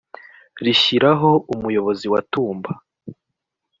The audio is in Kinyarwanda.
rishyiraho umuyobozi wa tumba